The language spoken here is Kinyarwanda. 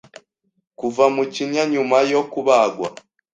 Kuva mu kinya nyuma yo kubagwa